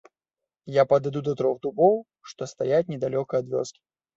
Я падыду да трох дубоў, што стаяць недалёка ад вёскі.